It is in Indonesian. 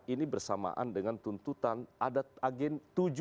ini bersamaan dengan tuntutan ada tujuh agen